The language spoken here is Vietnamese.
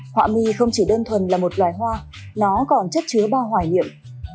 họa mi không chỉ đơn thuần là một loài hoa nó còn chất chứa bao hoài niệm